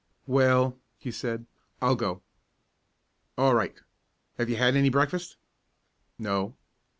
"Well," he said, "I'll go." "All right. Have you had any breakfast?" "No."